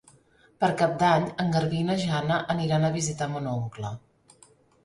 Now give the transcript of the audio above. Per Cap d'Any en Garbí i na Jana aniran a visitar mon oncle.